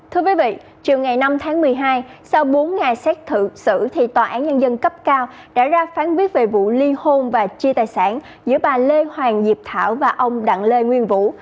trường ngày năm tháng một mươi hai sau bốn ngày xét thử xử tòa án nhân dân cấp cao đã ra phán viết về vụ li hôn và chia tài sản giữa bà lê hoàng diệp thảo và ông đặng lê nguyên vũ